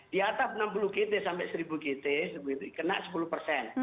di atas enam puluh gt sampai seribu gt kena sepuluh persen